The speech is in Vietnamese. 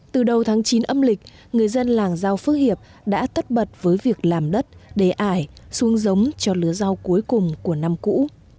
từ đầu tháng chín âm lịch người dân làng giao phước hiệp đã tất bật với việc làm đất để ải xuống giống cho lứa rau cuối cùng của năm cũ